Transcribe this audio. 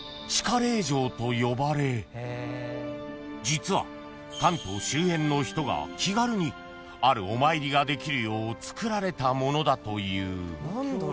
［実は関東周辺の人が気軽にあるお参りができるようつくられたものだという］